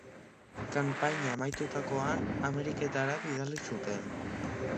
Kanpaina amaitutakoan, Ameriketara bidali zuten.